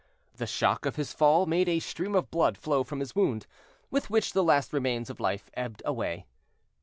The shock of his fall made a stream of blood flow from his wound, with which the last remains of life ebbed away.